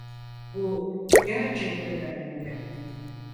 Bu gerçekten önemli.